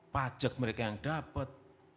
pajak mereka yang dapat